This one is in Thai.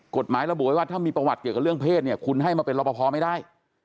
กฎหมายระบุไว้ว่าถ้ามีประวัติเกี่ยวกับเรื่องเพศเนี่ยคุณให้มาเป็นรอปภไม่ได้